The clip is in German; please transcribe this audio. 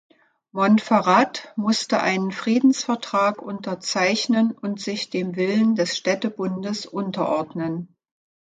Montferrat musste einen Friedensvertrag unterzeichnen und sich dem Willen des Städtebundes unterordnen.